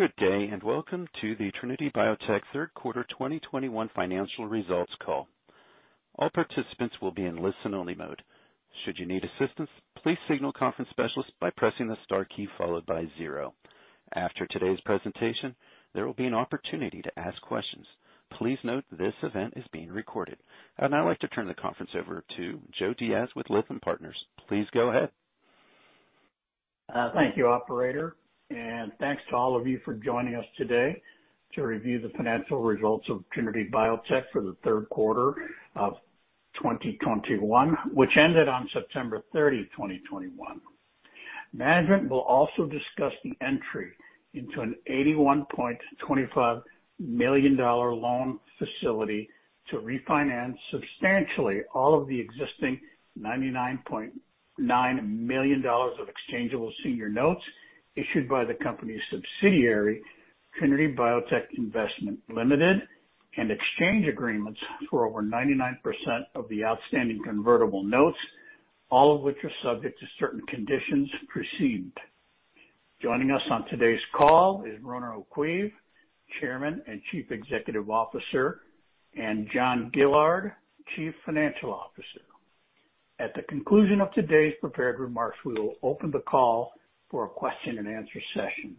Good day, and welcome to the Trinity Biotech third quarter 2021 financial results call. All participants will be in listen-only mode. Should you need assistance, please signal conference specialist by pressing the star key followed by zero. After today's presentation, there will be an opportunity to ask questions. Please note this event is being recorded. I'd now like to turn the conference over to Joe Diaz with Lytham Partners. Please go ahead. Thank you operator, and thanks to all of you for joining us today to review the financial results of Trinity Biotech for the third quarter of 2021, which ended on September 30, 2021. Management will also discuss the entry into an $81.25 million loan facility to refinance substantially all of the existing $99.9 million of exchangeable senior notes issued by the company's subsidiary, Trinity Biotech Investment Limited, and exchange agreements for over 99% of the outstanding convertible notes, all of which are subject to certain conditions precedent. Joining us on today's call is Ronan O'Caoimh, Chairman and Chief Executive Officer, and John Gillard, Chief Financial Officer. At the conclusion of today's prepared remarks, we will open the call for a question-and-answer session.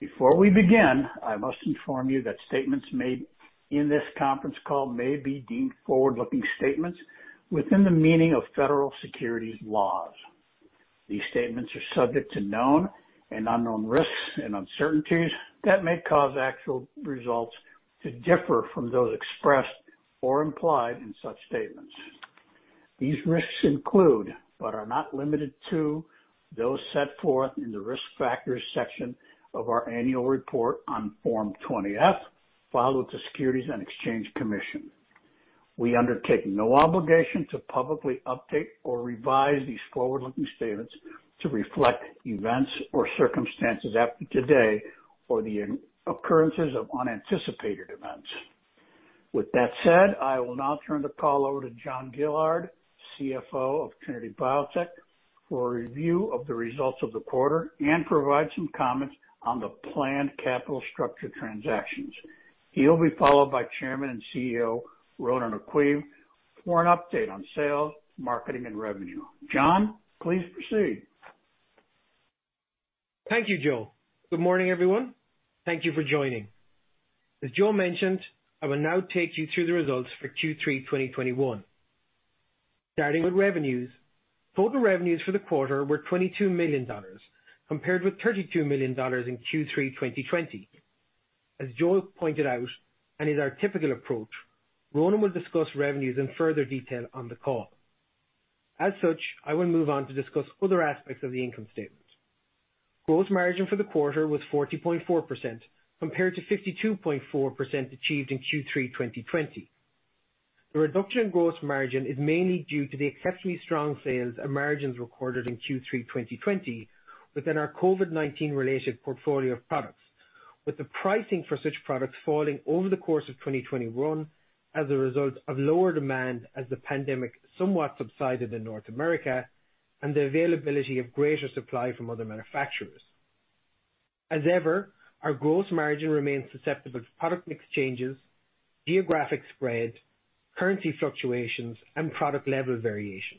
Before we begin, I must inform you that statements made in this conference call may be deemed forward-looking statements within the meaning of federal securities laws. These statements are subject to known and unknown risks and uncertainties that may cause actual results to differ from those expressed or implied in such statements. These risks include, but are not limited to, those set forth in the Risk Factors section of our annual report on Form 20-F, filed with the Securities and Exchange Commission. We undertake no obligation to publicly update or revise these forward-looking statements to reflect events or circumstances after today or the occurrences of unanticipated events. With that said, I will now turn the call over to John Gillard, CFO of Trinity Biotech, for a review of the results of the quarter and provide some comments on the planned capital structure transactions. He'll be followed by Chairman and CEO, Ronan O'Caoimh, for an update on sales, marketing, and revenue. John, please proceed. Thank you, Joe. Good morning, everyone. Thank you for joining. As Joe mentioned, I will now take you through the results for Q3 2021. Starting with revenues. Total revenues for the quarter were $22 million, compared with $32 million in Q3 2020. As Joe pointed out, and is our typical approach, Ronan will discuss revenues in further detail on the call. As such, I will move on to discuss other aspects of the income statement. Gross margin for the quarter was 40.4%, compared to 52.4% achieved in Q3 2020. The reduction in gross margin is mainly due to the exceptionally strong sales and margins recorded in Q3 2020 within our COVID-19 related portfolio of products. With the pricing for such products falling over the course of 2021 as a result of lower demand as the pandemic somewhat subsided in North America and the availability of greater supply from other manufacturers. As ever, our gross margin remains susceptible to product mix changes, geographic spread, currency fluctuations, and product level variation.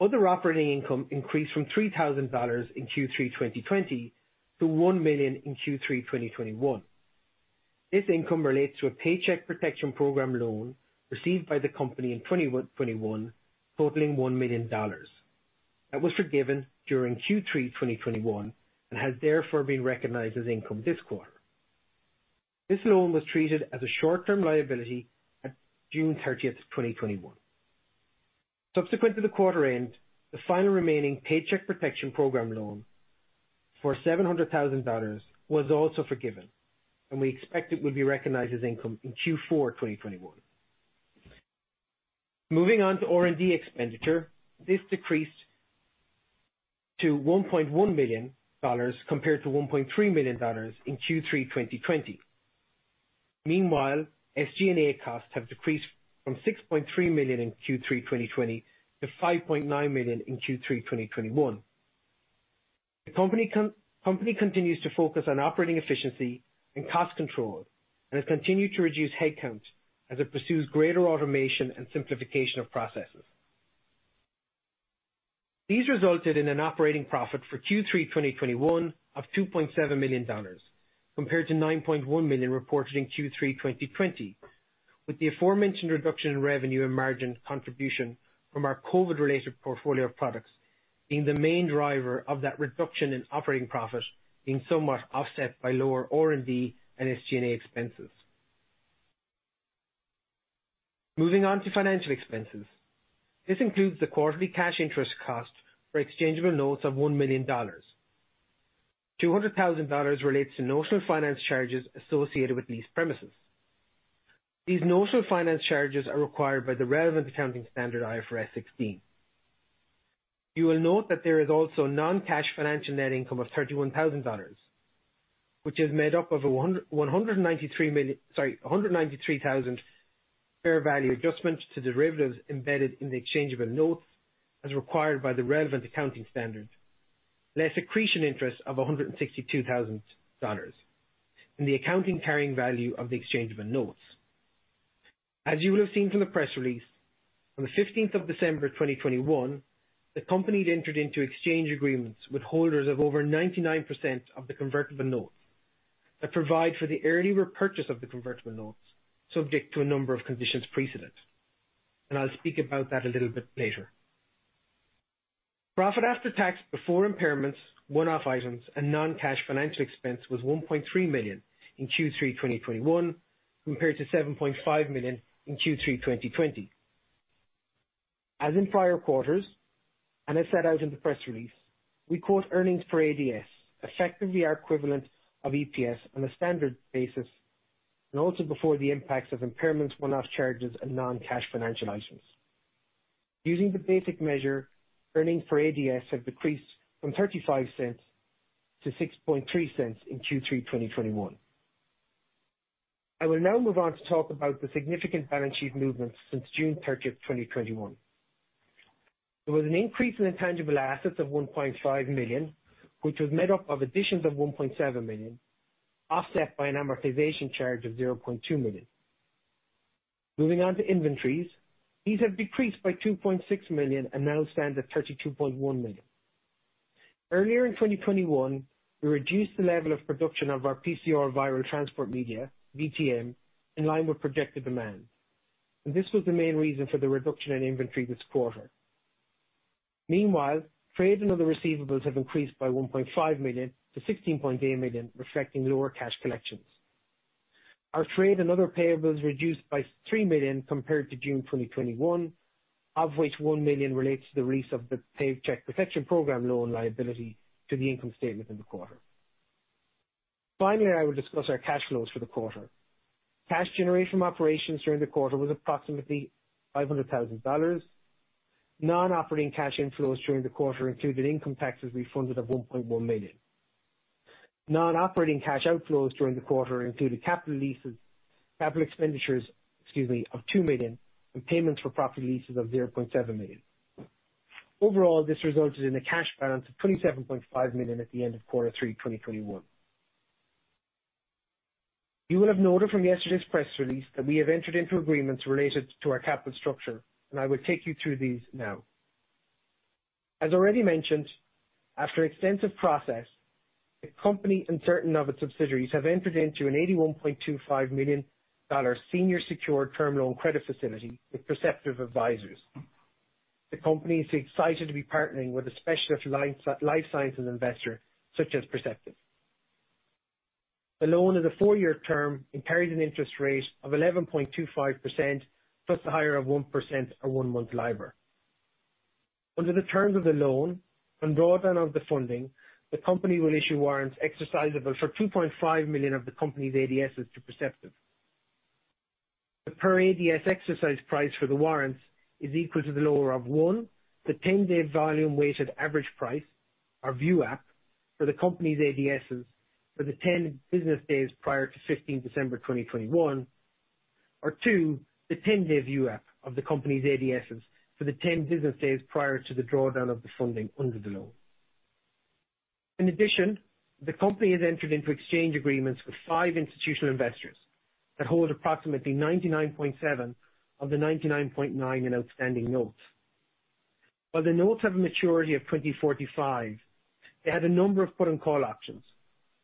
Other operating income increased from $3,000 in Q3 2020 to $1 million in Q3 2021. This income relates to a Paycheck Protection Program loan received by the company in 2021, totaling $1 million. That was forgiven during Q3 2021 and has therefore been recognized as income this quarter. This loan was treated as a short-term liability at June 30, 2021. Subsequent to the quarter end, the final remaining Paycheck Protection Program loan for $700,000 was also forgiven, and we expect it will be recognized as income in Q4 2021. Moving on to R&D expenditure. This decreased to $1.1 million compared to $1.3 million in Q3 2020. Meanwhile, SG&A costs have decreased from $6.3 million in Q3 2020 to $5.9 million in Q3 2021. The company continues to focus on operating efficiency and cost control and has continued to reduce headcount as it pursues greater automation and simplification of processes. These resulted in an operating profit for Q3 2021 of $2.7 million, compared to $9.1 million reported in Q3 2020. With the aforementioned reduction in revenue and margin contribution from our COVID-related portfolio of products being the main driver of that reduction in operating profit being somewhat offset by lower R&D and SG&A expenses. Moving on to financial expenses. This includes the quarterly cash interest cost for exchangeable notes of $1 million. $200,000 relates to notional finance charges associated with leased premises. These notional finance charges are required by the relevant accounting standard IFRS 16. You will note that there is also non-cash financial net income of $31,000, which is made up of a $193,000 fair value adjustment to derivatives embedded in the exchangeable notes as required by the relevant accounting standards, less accretion interest of a $162,000 in the accounting carrying value of the exchangeable notes. As you will have seen from the press release on the 15th of December 2021, the company had entered into exchange agreements with holders of over 99% of the convertible notes that provide for the early repurchase of the convertible notes, subject to a number of conditions precedent. I'll speak about that a little bit later. Profit after tax before impairments, one-off items and non-cash financial expense was $1.3 million in Q3 2021, compared to $7.5 million in Q3 2020. As in prior quarters, and as set out in the press release, we quote earnings per ADS effectively our equivalent of EPS on a standard basis, and also before the impacts of impairments, one-off charges, and non-cash financial items. Using the basic measure, earnings per ADS have decreased from $0.35 to $0.063 in Q3 2021. I will now move on to talk about the significant balance sheet movements since June 30, 2021. There was an increase in intangible assets of $1.5 million, which was made up of additions of $1.7 million, offset by an amortization charge of $0.2 million. Moving on to inventories. These have decreased by $2.6 million and now stand at $32.1 million. Earlier in 2021, we reduced the level of production of our PCR viral transport media, VTM, in line with projected demand. This was the main reason for the reduction in inventory this quarter. Meanwhile, trade and other receivables have increased by $1.5 million to $16.8 million, reflecting lower cash collections. Our trade and other payables reduced by $3 million compared to June 2021, of which $1 million relates to the release of the Paycheck Protection Program loan liability to the income statement in the quarter. Finally, I will discuss our cash flows for the quarter. Cash generation operations during the quarter was approximately $500,000. Non-operating cash inflows during the quarter included income taxes refunded of $1.1 million. Non-operating cash outflows during the quarter included capital leases, capital expenditures, excuse me, of $2 million, and payments for property leases of $0.7 million. Overall, this resulted in a cash balance of $27.5 million at the end of quarter three, 2021. You will have noted from yesterday's press release that we have entered into agreements related to our capital structure, and I will take you through these now. As already mentioned, after extensive process, the company and certain of its subsidiaries have entered into a $81.25 million senior secured term loan credit facility with Perceptive Advisors. The company is excited to be partnering with a specialist life sciences investor such as Perceptive. The loan is a four-year term and carries an interest rate of 11.25%, plus the higher of 1% or one-month LIBOR. Under the terms of the loan, on drawdown of the funding, the company will issue warrants exercisable for 2.5 million of the company's ADSs to Perceptive. The per ADS exercise price for the warrants is equal to the lower of, one, the 10-day volume-weighted average price or VWAP for the company's ADSs for the 10 business days prior to 15th December 2021. Two, the 10-day VWAP of the company's ADSs for the 10 business days prior to the drawdown of the funding under the loan. In addition, the company has entered into exchange agreements with five institutional investors that hold approximately 99.7% of the 99.9% in outstanding notes. While the notes have a maturity of 2045, they have a number of put and call options,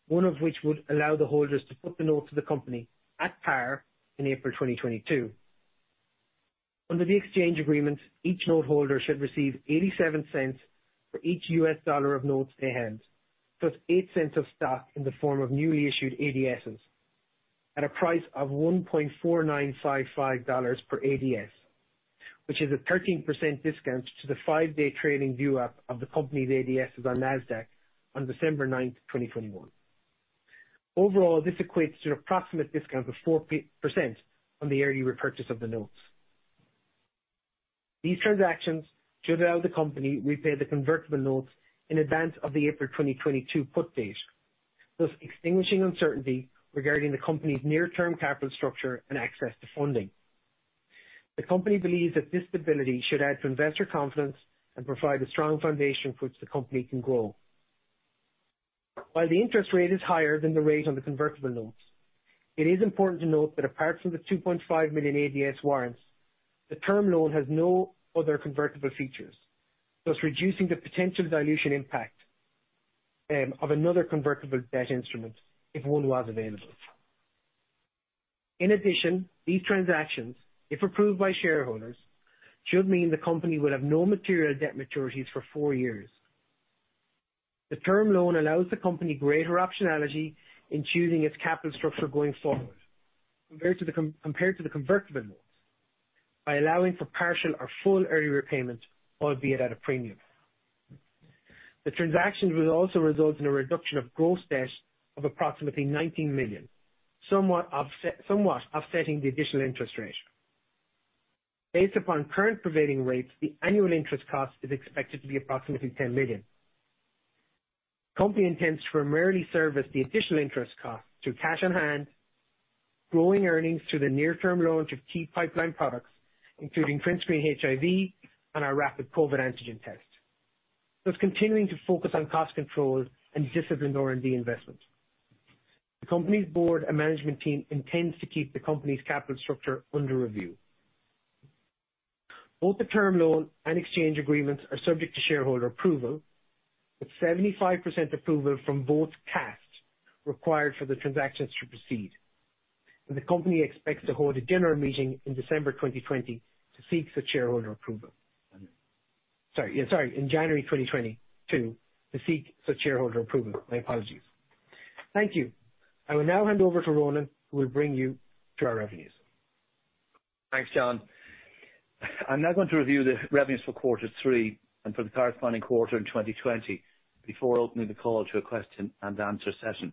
one of which would allow the holders to put the notes to the company at par in April 2022. Under the exchange agreement, each note holder should receive $0.87 for each $1 of notes they have, plus $0.08 of stock in the form of newly issued ADSs at a price of $1.4955 per ADS, which is a 13% discount to the five-day trading VWAP of the company's ADSs on Nasdaq on December 9th, 2021. Overall, this equates to an approximate discount of 4% on the early repurchase of the notes. These transactions should allow the company to repay the convertible notes in advance of the April 2022 put date, thus extinguishing uncertainty regarding the company's near-term capital structure and access to funding. The company believes that this stability should add to investor confidence and provide a strong foundation for which the company can grow. While the interest rate is higher than the rate on the convertible notes, it is important to note that apart from the 2.5 million ADS warrants, the term loan has no other convertible features, thus reducing the potential dilution impact of another convertible debt instrument if one was available. In addition, these transactions, if approved by shareholders, should mean the company will have no material debt maturities for four years. The term loan allows the company greater optionality in choosing its capital structure going forward compared to the convertible notes by allowing for partial or full early repayment, albeit at a premium. The transaction will also result in a reduction of gross debt of approximately $19 million, somewhat offsetting the additional interest rate. Based upon current prevailing rates, the annual interest cost is expected to be approximately $10 million. The company intends to primarily service the additional interest costs to cash on hand, growing earnings through the near-term launch of key pipeline products, including TrinScreen HIV and our rapid COVID antigen test, thus continuing to focus on cost controls and disciplined R&D investments. The company's board and management team intends to keep the company's capital structure under review. Both the term loan and exchange agreements are subject to shareholder approval, with 75% approval from votes cast required for the transactions to proceed. The company expects to hold a general meeting in January 2022 to seek such shareholder approval. I will now hand over to Ronan, who will bring you to our revenues. Thanks, John. I'm now going to review the revenues for quarter three and for the corresponding quarter in 2020 before opening the call to a question and answer session.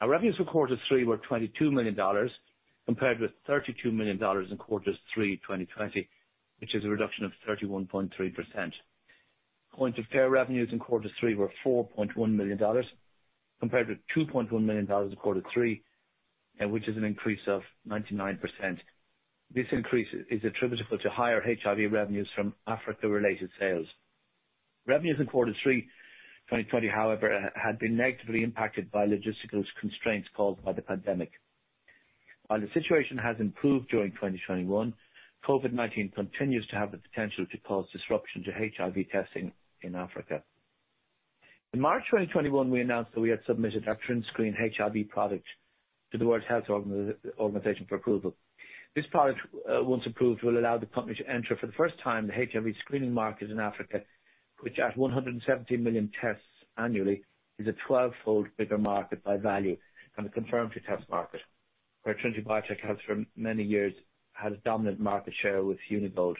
Our revenues for quarter three were $22 million, compared with $32 million in quarter three 2020, which is a reduction of 31.3%. Points of care revenues in quarter three were $4.1 million, compared with $2.1 million in quarter three, which is an increase of 99%. This increase is attributable to higher HIV revenues from Africa-related sales. Revenues in quarter three 2020, however, had been negatively impacted by logistical constraints caused by the pandemic. While the situation has improved during 2021, COVID-19 continues to have the potential to cause disruption to HIV testing in Africa. In March of 2021, we announced that we had submitted our TrinScreen HIV product to the World Health Organization for approval. This product, once approved, will allow the company to enter, for the first time, the HIV screening market in Africa, which at 170 million tests annually, is a 12-fold bigger market by value than the confirmatory test market, where Trinity Biotech has for many years had a dominant market share with Uni-Gold.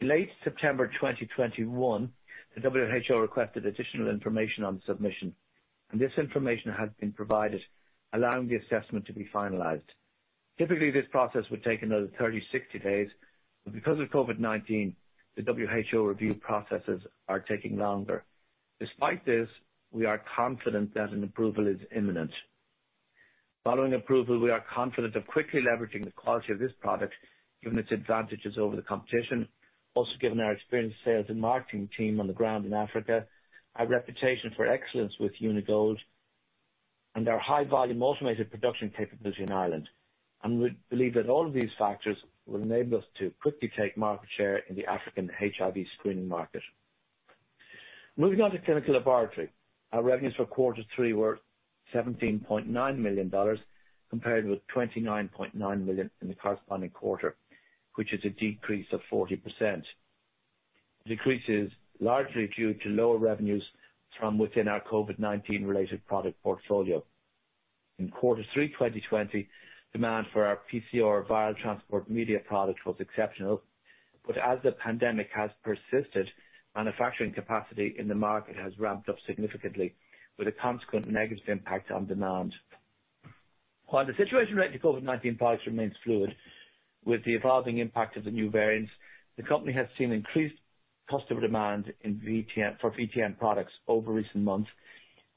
In late September 2021, the WHO requested additional information on the submission, and this information has been provided, allowing the assessment to be finalized. Typically, this process would take another 30, 60 days, but because of COVID-19, the WHO review processes are taking longer. Despite this, we are confident that an approval is imminent. Following approval, we are confident of quickly leveraging the quality of this product, given its advantages over the competition. Also given our experienced sales and marketing team on the ground in Africa, our reputation for excellence with Uni-Gold, and our high volume automated production capability in Ireland. We believe that all of these factors will enable us to quickly take market share in the African HIV screening market. Moving on to clinical laboratory. Our revenues for quarter three were $17.9 million, compared with $29.9 million in the corresponding quarter, which is a decrease of 40%. Decrease is largely due to lower revenues from within our COVID-19 related product portfolio. In quarter three 2020, demand for our PCR viral transport media product was exceptional, but as the pandemic has persisted, manufacturing capacity in the market has ramped up significantly, with a consequent negative impact on demand. While the situation related to COVID-19 products remains fluid with the evolving impact of the new variants, the company has seen increased customer demand in VTM for VTM products over recent months,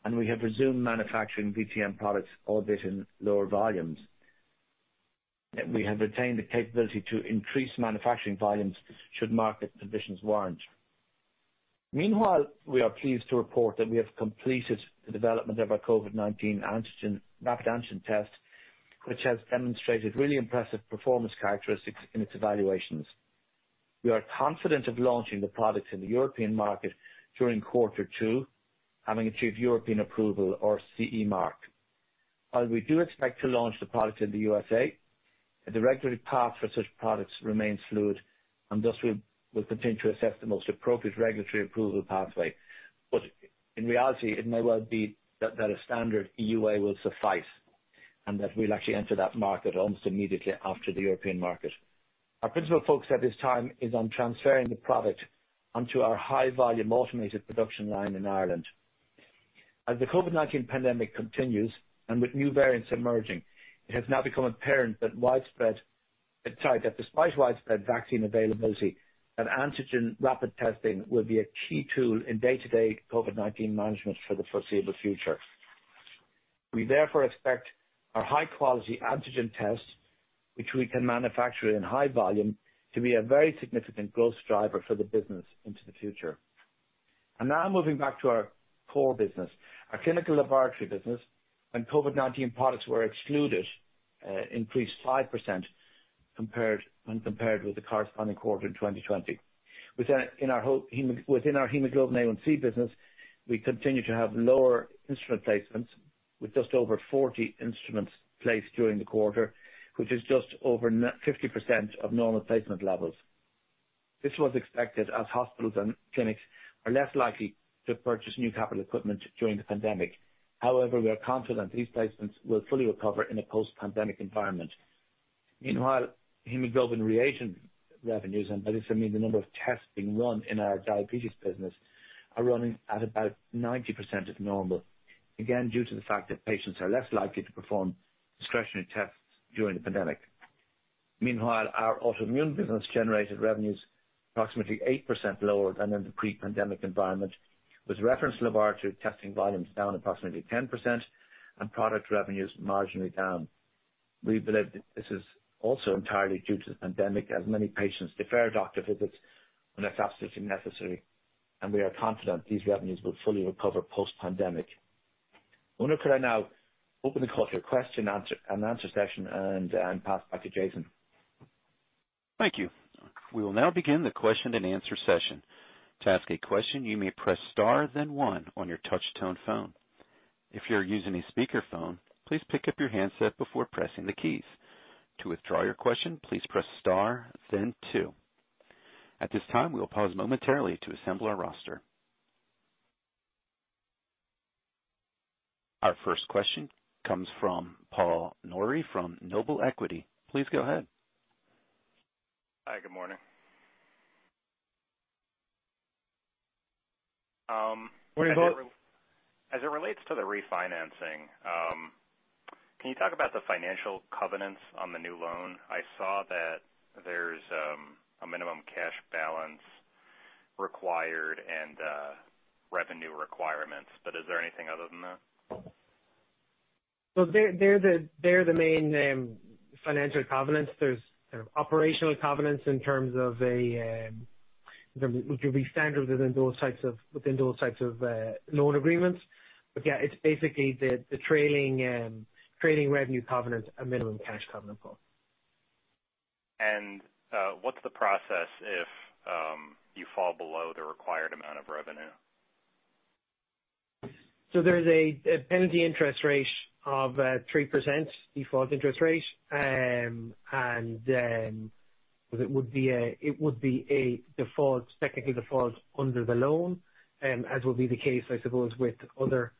and we have resumed manufacturing VTM products, albeit in lower volumes. Yet we have retained the capability to increase manufacturing volumes should market conditions warrant. Meanwhile, we are pleased to report that we have completed the development of our COVID-19 antigen rapid antigen test, which has demonstrated really impressive performance characteristics in its evaluations. We are confident of launching the product in the European market during quarter two, having achieved European approval or CE mark. While we do expect to launch the product in the USA, the regulatory path for such products remains fluid and thus we'll continue to assess the most appropriate regulatory approval pathway. In reality, it may well be that a standard EUA will suffice, and that we'll actually enter that market almost immediately after the European market. Our principal focus at this time is on transferring the product onto our high-volume automated production line in Ireland. As the COVID-19 pandemic continues, and with new variants emerging, it has now become apparent that despite widespread vaccine availability, antigen rapid testing will be a key tool in day-to-day COVID-19 management for the foreseeable future. We therefore expect our high-quality antigen test, which we can manufacture in high volume, to be a very significant growth driver for the business into the future. Now moving back to our core business. Our clinical laboratory business, when COVID-19 products were excluded, increased 5% compared with the corresponding quarter in 2020. Within our hemoglobin A1c business, we continue to have lower instrument placements with just over 40 instruments placed during the quarter, which is just over 50% of normal placement levels. This was expected as hospitals and clinics are less likely to purchase new capital equipment during the pandemic. However, we are confident these placements will fully recover in a post-pandemic environment. Meanwhile, hemoglobin reagent revenues, and by this I mean the number of tests being run in our diabetes business, are running at about 90% of normal. Again, due to the fact that patients are less likely to perform discretionary tests during the pandemic. Meanwhile, our autoimmune business generated revenues approximately 8% lower than in the pre-pandemic environment, with reference laboratory testing volumes down approximately 10% and product revenues marginally down. We believe this is also entirely due to the pandemic as many patients defer doctor visits unless absolutely necessary, and we are confident these revenues will fully recover post-pandemic. Operator, could I now open the call to a question and answer session and pass it back to Jason? Thank you. We will now begin the question and answer session. To ask a question, you may press star then one on your touch tone phone. If you're using a speaker phone, please pick up your handset before pressing the keys. To withdraw your question, please press star then two. At this time, we'll pause momentarily to assemble our roster. Our first question comes from Paul Nouri from Noble Equity. Please go ahead. Hi, good morning. Morning, Paul. As it relates to the refinancing, can you talk about the financial covenants on the new loan? I saw that there's a minimum cash balance required and revenue requirements, but is there anything other than that? They're the main financial covenants. There's kind of operational covenants in terms of a that would be standard within those types of loan agreements. Yeah, it's basically the trailing trading revenue covenant and minimum cash covenant, Paul. What's the process if you fall below the required amount of revenue? There is a penalty interest rate of 3% default interest rate. It would be a default, technical default under the loan, as will be the case, I suppose, with other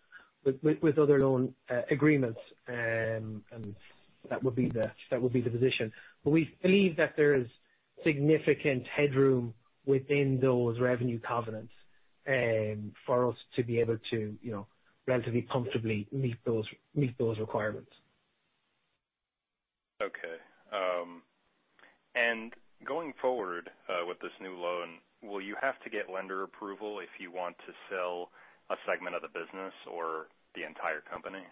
loan agreements. That would be the position. We believe that there is significant headroom within those revenue covenants for us to be able to, you know, relatively comfortably meet those requirements. Okay. Going forward, with this new loan, will you have to get lender approval if you want to sell a segment of the business or the entire company?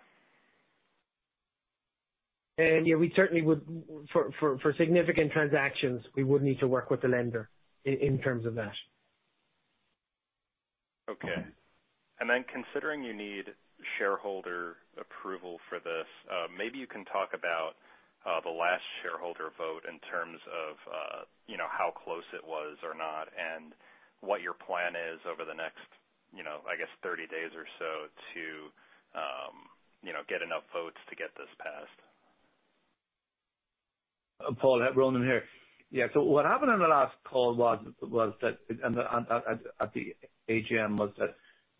Yeah, we certainly would. For significant transactions, we would need to work with the lender in terms of that. Okay. Then considering you need shareholder approval for this, maybe you can talk about the last shareholder vote in terms of, you know, how close it was or not and what your plan is over the next, you know, I guess 30 days or so to, you know, get enough votes to get this passed? Paul, Ronan here. Yeah. What happened on the last call was that at the AGM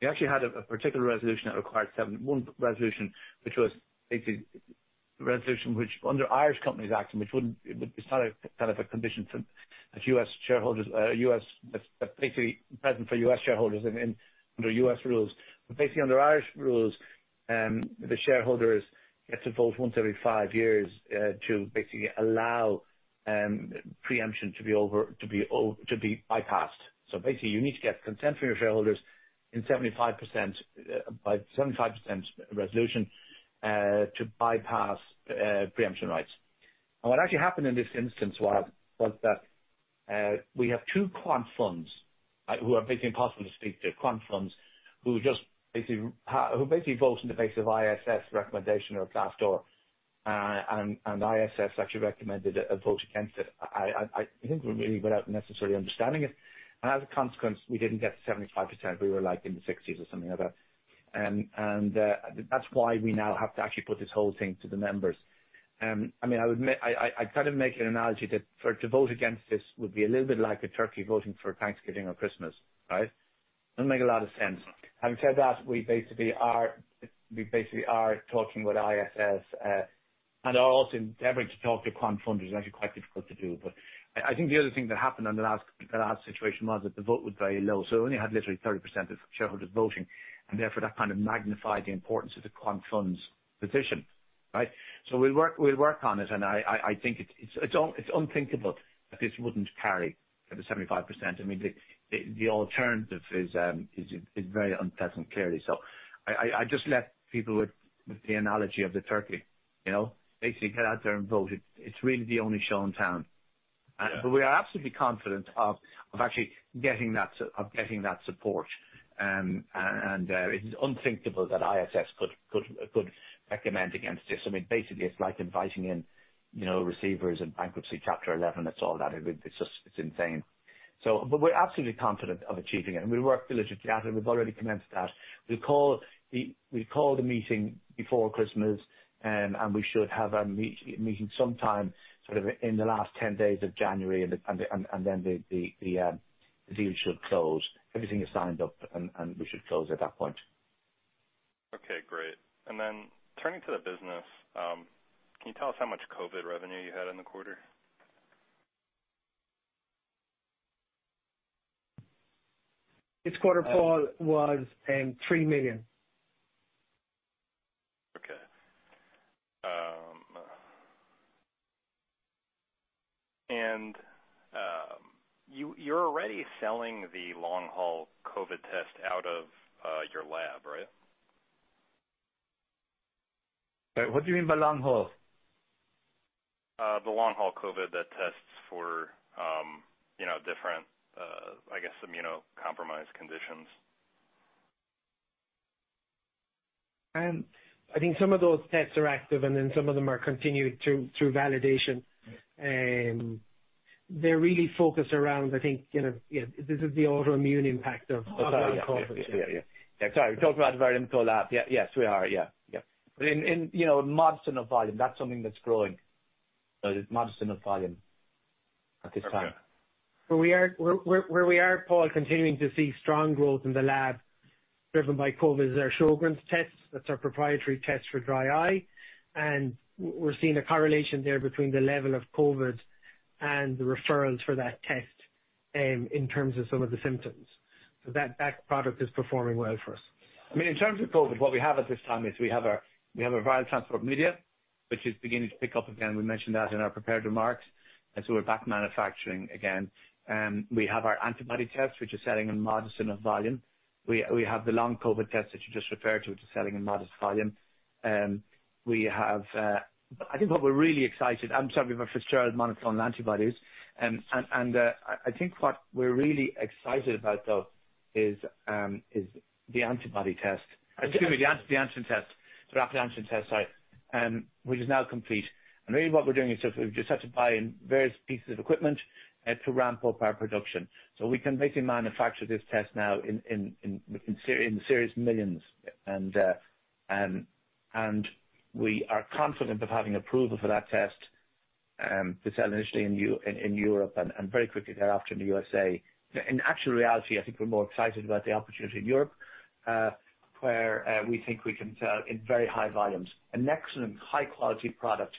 we actually had a particular resolution that required one resolution which was basically resolution which under Irish Companies Act, and it's not a kind of a condition for that U.S. shareholders basically present for U.S. shareholders in under U.S. rules. But basically under Irish rules, the shareholders get to vote once every five years to basically allow preemption to be over to be bypassed. Basically you need to get consent from your shareholders in 75% by 75% resolution to bypass preemption rights. What actually happened in this instance was that we have two quant funds who are basically impossible to speak to who just basically vote on the basis of ISS recommendation or Glass Lewis. ISS actually recommended a vote against it. I think really without necessarily understanding it, and as a consequence, we didn't get 75%. We were like in the 60s% or something like that. That's why we now have to actually put this whole thing to the members. I mean, I kind of make an analogy that to vote against this would be a little bit like a turkey voting for Thanksgiving or Christmas, right? Doesn't make a lot of sense. Having said that, we basically are talking with ISS and are also endeavoring to talk to quant funds. It's actually quite difficult to do. I think the other thing that happened on the last situation was that the vote was very low, so we only had literally 30% of shareholders voting, and therefore, that kind of magnified the importance of the quant fund's position, right? We'll work on it, and I think it's unthinkable that this wouldn't carry the 75%. I mean, the alternative is very unpleasant, clearly. I just left people with the analogy of the turkey, you know. Basically get out there and vote. It's really the only show in town. We are absolutely confident of actually getting that support. It's unthinkable that ISS could recommend against this. I mean, basically, it's like inviting in, you know, receivers and bankruptcy Chapter 11. It's all that. It's just insane. We're absolutely confident of achieving it, and we work diligently at it. We've already commenced that. We call the meeting before Christmas, and we should have a meeting sometime sort of in the last 10 days of January, and then the deal should close. Everything is signed up and we should close at that point. Okay, great. Turning to the business, can you tell us how much COVID revenue you had in the quarter? This quarter, Paul, was $3 million. Okay. You're already selling the long-haul COVID test out of your lab, right? What do you mean by long-haul? The long-haul COVID that tests for, you know, different, I guess immunocompromised conditions. I think some of those tests are active, and then some of them are continued through validation. They're really focused around, I think, you know, yeah, this is the autoimmune impact of- Oh, yeah. Yeah. of COVID-19. Yeah. Sorry. We talked about Where we are, Paul, continuing to see strong growth in the lab driven by COVID is our Sjögren's tests. That's our proprietary test for dry eye. We're seeing a correlation there between the level of COVID and the referrals for that test, in terms of some of the symptoms. That product is performing well for us. I mean, in terms of COVID, what we have at this time is we have our viral transport media, which is beginning to pick up again. We mentioned that in our prepared remarks. We're back manufacturing again. We have our antibody tests, which are selling in modest enough volume. We have the long COVID tests that you just referred to, which are selling in modest volume. We have our first round of monoclonal antibodies. I think what we're really excited about though is the antibody test. Excuse me, the antigen test. Rapid antigen test, sorry. Which is now complete. Really what we're doing is just we've just had to buy in various pieces of equipment to ramp up our production. We can basically manufacture this test now in the several millions. We are confident of having approval for that test to sell initially in Europe and very quickly thereafter in the USA. In actual reality, I think we're more excited about the opportunity in Europe, where we think we can sell in very high volumes. An excellent high-quality product,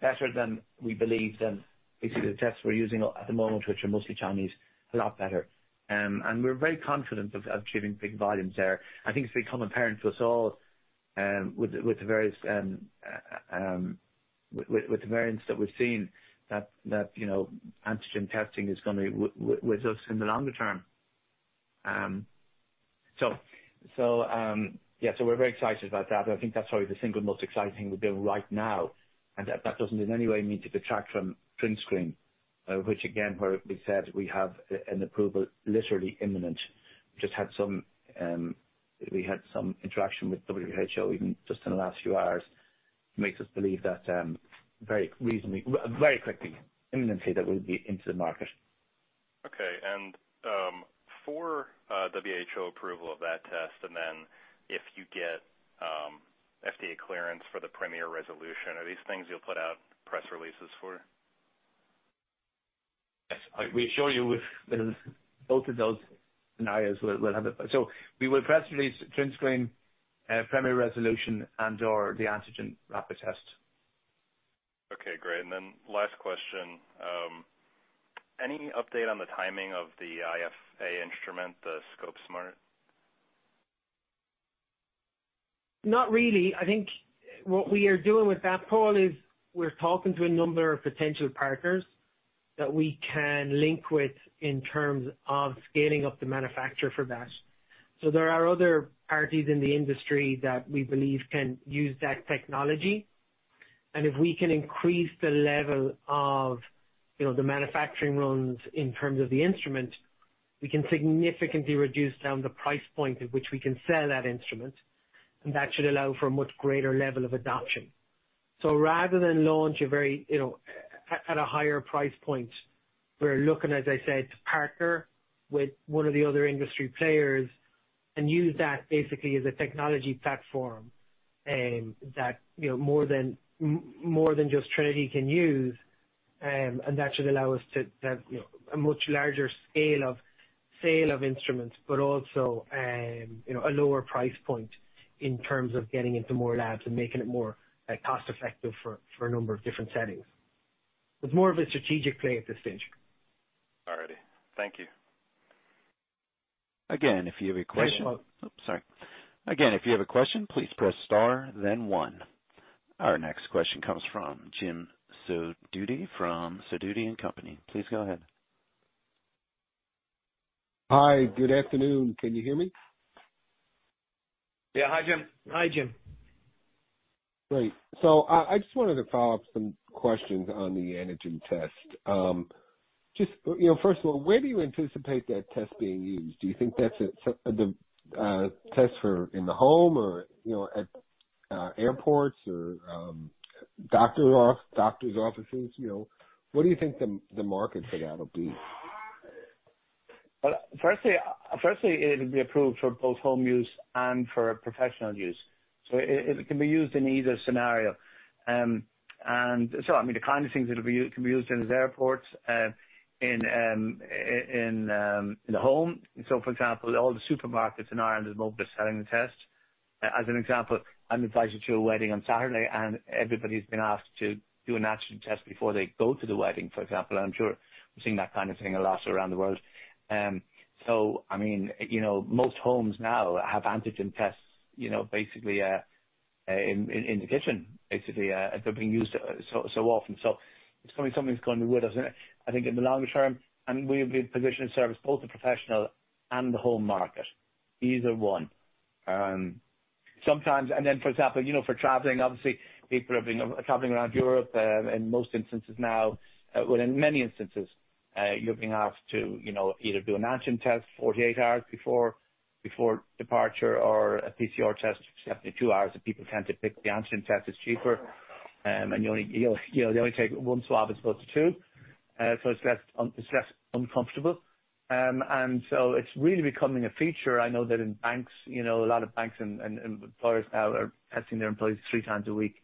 better than we believe than basically the tests we're using at the moment, which are mostly Chinese, a lot better. We're very confident of achieving big volumes there. I think it's become apparent to us all with the various variants that we've seen that you know antigen testing is gonna be with us in the longer term. Yeah, we're very excited about that. I think that's probably the single most exciting thing we're doing right now. That doesn't in any way mean to detract from TrinScreen, which, again, we said we have an approval literally imminent. We just had some interaction with WHO even just in the last few hours that makes us believe that very reasonably, very quickly, imminently that we'll be into the market. Okay. For WHO approval of that test, and then if you get FDA clearance for the Premier Resolution, are these things you'll put out press releases for? Yes. We assure you with both of those scenarios, we'll have it. We will press release TrinScreen, Premier Resolution and/or the antigen rapid test. Okay, great. Last question. Any update on the timing of the IFA instrument, the ScopeSmart? Not really. I think what we are doing with that, Paul, is we're talking to a number of potential partners that we can link with in terms of scaling up the manufacture for that. There are other parties in the industry that we believe can use that technology. If we can increase the level of, you know, the manufacturing runs in terms of the instrument, we can significantly reduce down the price point at which we can sell that instrument, and that should allow for a much greater level of adoption. Rather than launch a very, you know, at a higher price point, we're looking, as I said, to partner with one of the other industry players and use that basically as a technology platform, that, you know, more than just Trinity can use. That should allow us to have, you know, a much larger scale of sale of instruments, but also, you know, a lower price point in terms of getting into more labs and making it more, like, cost-effective for a number of different settings. It's more of a strategic play at this stage. All righty. Thank you. Again, if you have a question. Can I follow up? Oops. Sorry. Again, if you have a question, please press star then one. Our next question comes from Jim Sidoti from Sidoti & Company. Please go ahead. Hi. Good afternoon. Can you hear me? Yeah. Hi, Jim. Hi, Jim. Great. I just wanted to follow up some questions on the antigen test. Just, you know, first of all, where do you anticipate that test being used? Do you think that's the test for in the home or, you know, at airports or doctor's offices? You know, what do you think the market for that will be? Well, firstly, it'll be approved for both home use and for professional use. It can be used in either scenario. I mean, the kind of things it can be used in is airports, in the home. For example, all the supermarkets in Ireland at the moment are selling the test. As an example, I'm invited to a wedding on Saturday, and everybody's been asked to do an antigen test before they go to the wedding, for example. I'm sure we're seeing that kind of thing a lot around the world. I mean, you know, most homes now have antigen tests, you know, basically in the kitchen, basically. They're being used so often. It's probably something that's going to be with us, isn't it? I think in the longer term, I mean, we'll be positioned to service both the professional and the home market, either one. For example, you know, for traveling obviously, people are traveling around Europe. In many instances now, you're being asked to, you know, either do an antigen test 48 hours before departure or a PCR test which is definitely two hours, and people tend to pick the antigen test. It's cheaper, and you only, you know, they only take one swab as opposed to two. So, it's less uncomfortable. Well, it's really becoming a feature. I know that in banks, you know, a lot of banks and employers now are testing their employees three times a week.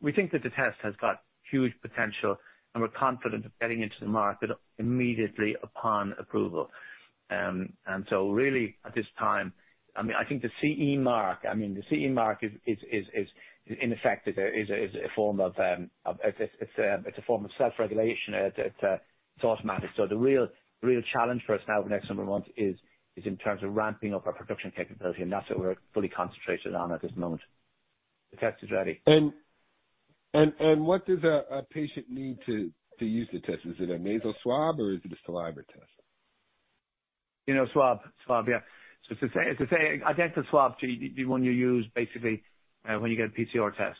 We think that the test has got huge potential, and we're confident of getting into the market immediately upon approval. Really at this time, I mean, I think the CE mark, I mean the CE mark is in effect is a form of self-regulation. It's automatic. The real challenge for us now over the next number of months is in terms of ramping up our production capability, and that's what we're fully concentrated on at this moment. The test is ready. What does a patient need to use the test? Is it a nasal swab or is it a saliva test? You know, swab, yeah. It's the same identical swab to the one you use basically when you get a PCR test.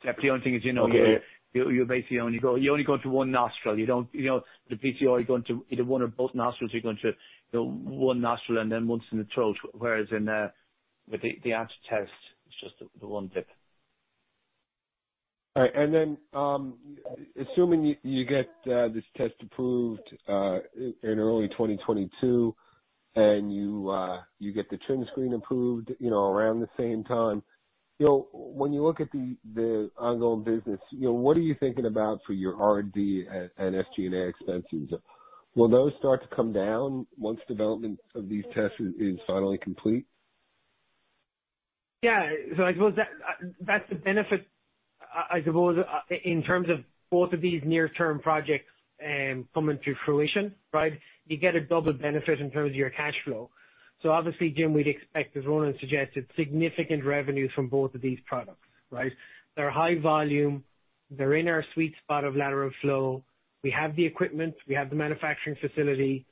Except the only thing is, you know. Okay. You basically only go into one nostril. You don't, you know. The PCR, you go into either one or both nostrils. You go into, you know, one nostril and then once in the throat. Whereas with the antigen test, it's just the one dip. All right. Assuming you get this test approved in early 2022 and you get the TrinScreen approved, you know, around the same time, you know, when you look at the ongoing business, you know, what are you thinking about for your R&D and SG&A expenses? Will those start to come down once development of these tests is finally complete? Yeah. I suppose that that's the benefit. I suppose in terms of both of these near-term projects coming to fruition, right? You get a double benefit in terms of your cash flow. Obviously, Jim, we'd expect, as Ronan suggested, significant revenues from both of these products, right? They're high volume. They're in our sweet spot of lateral flow. We have the equipment. We have the manufacturing facility.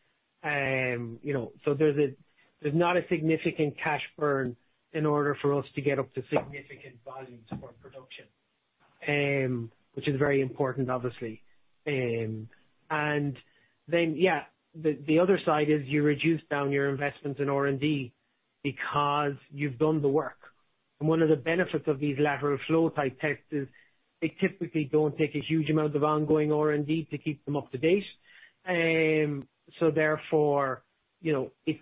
You know, there's not a significant cash burn in order for us to get up to significant volumes for production, which is very important obviously. Yeah, the other side is you reduce down your investments in R&D because you've done the work. One of the benefits of these lateral flow type tests is they typically don't take a huge amount of ongoing R&D to keep them up to date. Therefore, you know, it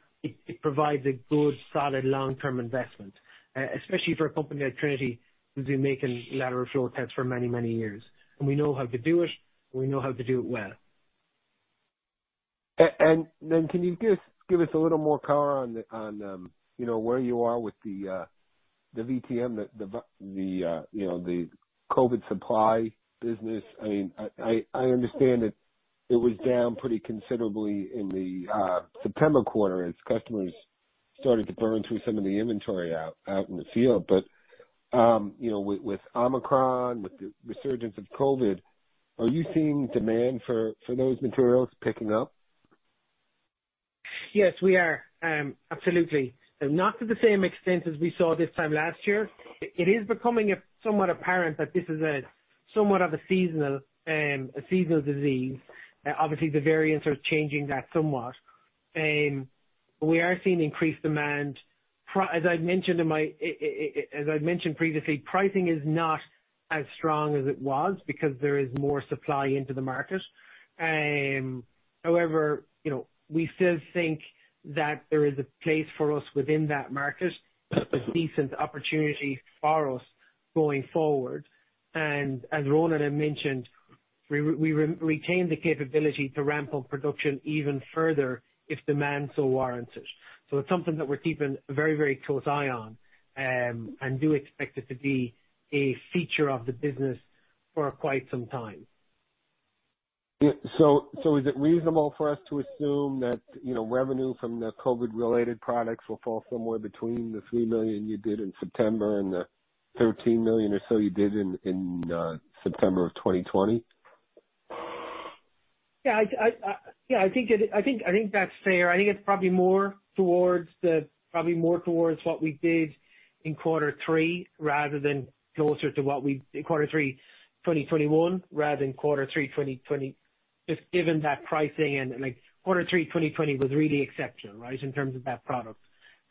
provides a good, solid long-term investment. Especially for a company like Trinity, who's been making lateral flow tests for many, many years. We know how to do it, and we know how to do it well. Can you give us a little more color on, you know, where you are with the VTM, you know, the COVID supply business. I mean, I understand that it was down pretty considerably in the September quarter as customers started to burn through some of the inventory out in the field. You know, with Omicron, with the resurgence of COVID, are you seeing demand for those materials picking up? Yes, we are. Absolutely. Not to the same extent as we saw this time last year. It is becoming somewhat apparent that this is somewhat of a seasonal disease. Obviously, the variants are changing that somewhat. But we are seeing increased demand. As I'd mentioned previously, pricing is not as strong as it was because there is more supply into the market. However, you know, we still think that there is a place for us within that market. There's decent opportunity for us going forward. As Ronan had mentioned, we retain the capability to ramp up production even further if demand so warrants it. It's something that we're keeping a very, very close eye on and do expect it to be a feature of the business for quite some time. Is it reasonable for us to assume that, you know, revenue from the COVID-related products will fall somewhere between the $3 million you did in September and the $13 million or so you did in September 2020? Yeah, I think that's fair. I think it's probably more towards what we did in quarter three 2021 rather than in quarter three 2020, just given that pricing and, like, quarter three 2020 was really exceptional, right, in terms of that product.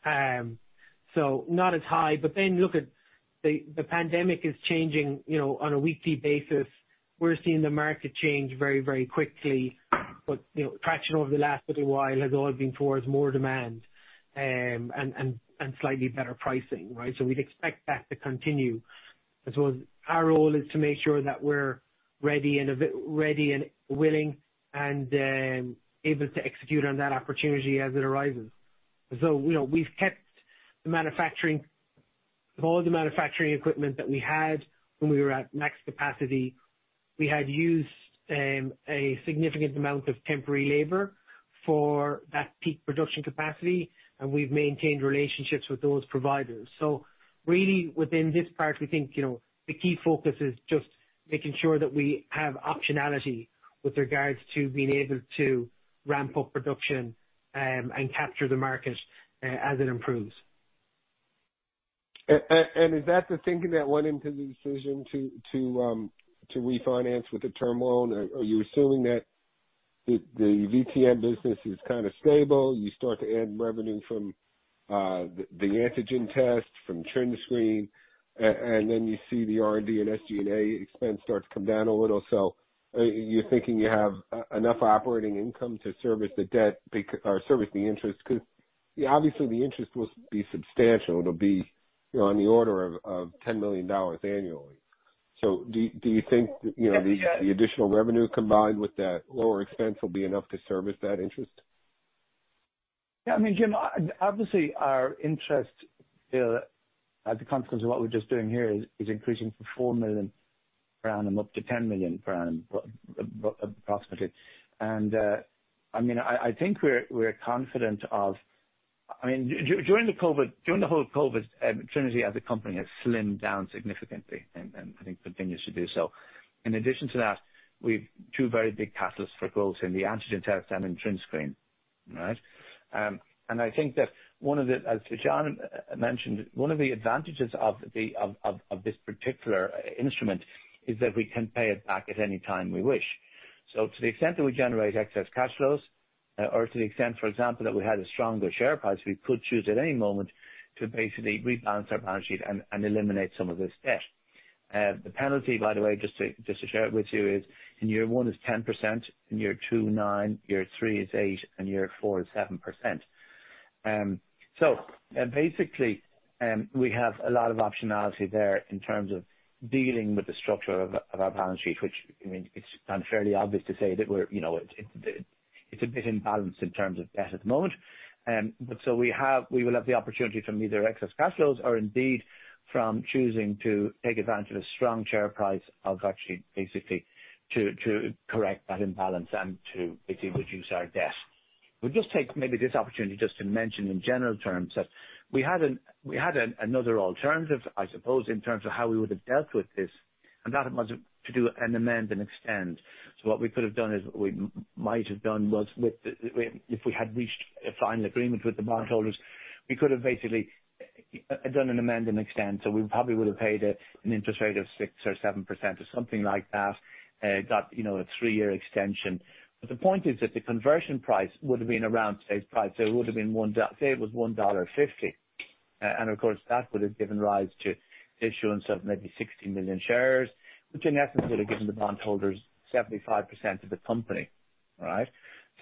Not as high. Then look at the pandemic is changing, you know, on a weekly basis. We're seeing the market change very, very quickly. You know, traction over the last little while has all been towards more demand and slightly better pricing, right? We'd expect that to continue. I suppose our role is to make sure that we're ready and willing and able to execute on that opportunity as it arises. You know, we've kept the manufacturing, all the manufacturing equipment that we had when we were at max capacity. We had used a significant amount of temporary labor for that peak production capacity, and we've maintained relationships with those providers. Really, within this part, we think, you know, the key focus is just making sure that we have optionality with regards to being able to ramp up production and capture the market as it improves. Is that the thinking that went into the decision to refinance with the term loan? Are you assuming that the VTM business is kinda stable? You start to add revenue from the antigen test from TrinScreen, and then you see the R&D and SG&A expense start to come down a little. Are you thinking you have enough operating income to service the debt or service the interest? 'Cause obviously, the interest will be substantial. It'll be, you know, on the order of $10 million annually. Do you think that, you know, the- Yeah. The additional revenue combined with that lower expense will be enough to service that interest? Yeah. I mean, Jim, obviously our interest here as a consequence of what we're just doing here is increasing from $4 million grand up to $10 million grand approximately. I mean, I think we're confident. I mean, during the COVID, during the whole COVID, Trinity as a company has slimmed down significantly and I think continues to do so. In addition to that, we've two very big catalysts for growth in the antigen test and in TrinScreen. All right. I think that, as John mentioned, one of the advantages of this particular instrument is that we can pay it back at any time we wish. To the extent that we generate excess cash flows or to the extent, for example, that we had a stronger share price, we could choose at any moment to basically rebalance our balance sheet and eliminate some of this debt. The penalty, by the way, just to share it with you, is in year one 10%, in year two 9%, year three 8%, and year four 7%. We have a lot of optionality there in terms of dealing with the structure of our balance sheet, which it's kind of fairly obvious to say that we're, you know, it's a bit imbalanced in terms of debt at the moment. We will have the opportunity from either excess cash flows or indeed from choosing to take advantage of the strong share price actually basically to correct that imbalance and to basically reduce our debt. We'll just take maybe this opportunity just to mention in general terms that we had another alternative, I suppose, in terms of how we would have dealt with this, and that was to do an amend and extend. What we could have done is what we might have done was with the. If we had reached a final agreement with the bondholders, we could have basically done an amend and extend. We probably would have paid an interest rate of 6% or 7% or something like that. Got, you know, a three-year extension. The point is that the conversion price would have been around today's price. It would have been one dol- say it was $1.50. And of course, that would have given rise to the issuance of maybe 60 million shares, which in essence would have given the bondholders 75% of the company, all right?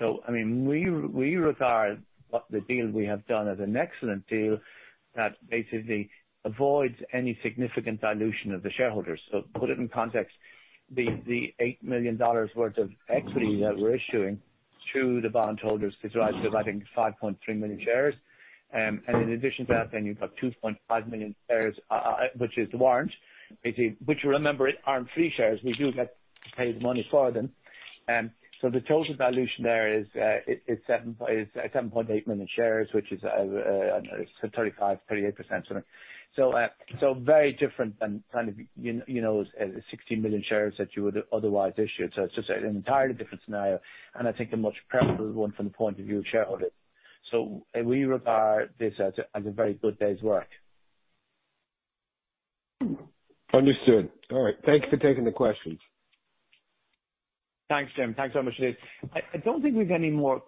I mean, we regard what the deal we have done as an excellent deal that basically avoids any significant dilution of the shareholders. Put it in context, the $8 million worth of equity that we're issuing to the bondholders gives rise to, I think, 5.3 million shares. And in addition to that, you've got 2.5 million shares, which is the warrant, basically. Which remember, aren't free shares. We do get paid money for them. The total dilution there is 7.8 million shares, which is 35%-38%. Very different than kind of, you know, 60 million shares that you would otherwise issue. It's just an entirely different scenario, and I think a much preferable one from the point of view of shareholders. We regard this as a very good day's work. Understood. All right. Thank you for taking the questions. Thanks, Jim. Thanks so much indeed. I don't think we've any more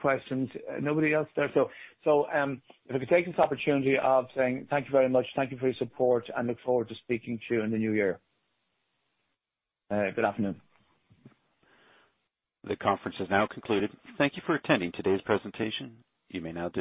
questions. Nobody else there. If I could take this opportunity of saying thank you very much, thank you for your support, and look forward to speaking to you in the new year. Good afternoon. The conference has now concluded. Thank you for attending today's presentation. You may now disconnect.